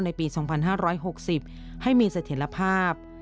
ในปี๒๕๖๐ให้มีเสถียรภาพ